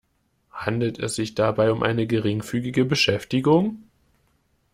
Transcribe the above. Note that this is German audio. Handelt es sich dabei um eine geringfügige Beschäftigung?